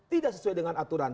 tidak sesuai dengan aturan